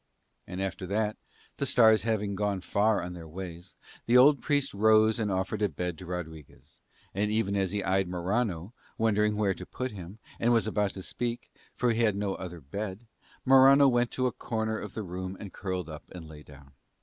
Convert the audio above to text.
And after that, the stars having then gone far on their ways, the old Priest rose and offered a bed to Rodriguez; and even as he eyed Morano, wondering where to put him, and was about to speak, for he had no other bed, Morano went to a corner of the room and curled up and lay down.